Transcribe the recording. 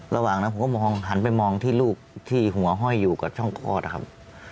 ระหว่างนั้นผมก็มองหันไปมองที่ลูกที่หัวห้อยอยู่กับช่องคลอดนะครับ